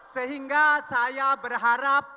sehingga sejak tahun dua ribu saya berada di jokowi